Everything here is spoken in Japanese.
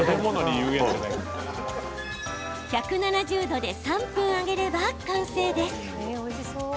１７０度で３分揚げれば完成です。